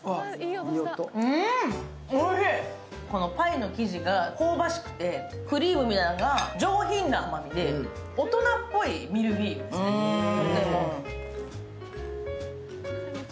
このパイの生地が香ばしくてクリームが上品な甘みで、大人っぽいミルフィーユですね、とても。